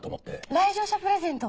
来場者プレゼント！